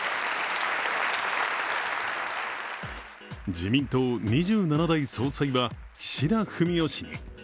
自民党２７代総裁は岸田文雄氏に。